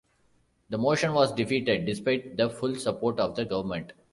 The motion was defeated, despite the full support of the government.